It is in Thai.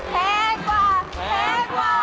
แพงกว่า